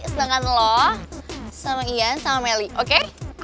sedangkan loh sama ian sama melly oke